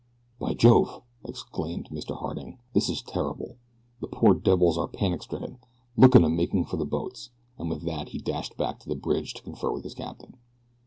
"By Jove!" exclaimed Mr. Harding. "This is terrible. The poor devils are panic stricken. Look at 'em making for the boats!" and with that he dashed back to the bridge to confer with his captain.